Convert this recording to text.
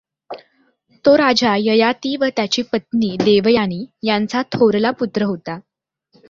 तो राजा ययाति व त्याची पत्नी देवयानी यांचा थोरला पुत्र होता.